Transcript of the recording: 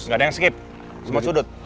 nggak ada yang skip semua sudut